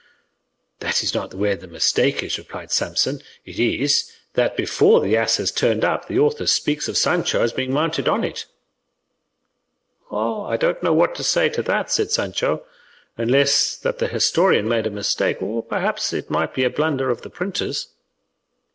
"That is not where the mistake is," replied Samson; "it is, that before the ass has turned up, the author speaks of Sancho as being mounted on it." "I don't know what to say to that," said Sancho, "unless that the historian made a mistake, or perhaps it might be a blunder of the printer's."